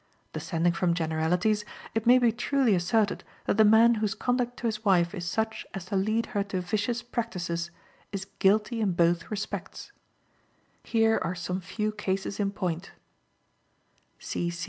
Descending from generalities, it may be truly asserted that the man whose conduct to his wife is such as to lead her to vicious practices is guilty in both respects. Here are some few cases in point.